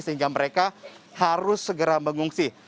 sehingga mereka harus segera mengungsi